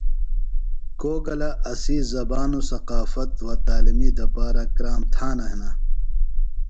کو گلہ اسی زبان و ثقافت و تعلیمی دپارہ کرام تھانہ ہِنہ۔